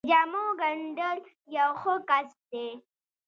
د جامو ګنډل یو ښه کسب دی